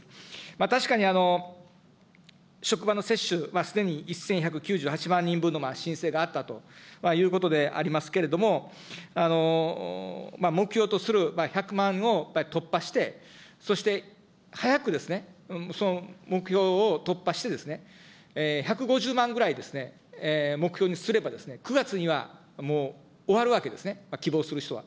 確かに、職場の接種、すでに１１９８万人分の申請があったということでありますけれども、目標とする１００万を突破して、そして早くその目標を突破して、１５０万ぐらい、目標にすれば、９月にはもう終わるわけですね、希望する人は。